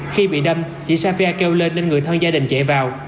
khi bị đâm chị xe kêu lên nên người thân gia đình chạy vào